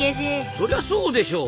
そりゃそうでしょう。